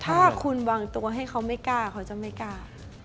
ถ้าคุณวางตัวให้เขาไม่กล้าเขาจะไม่กล้า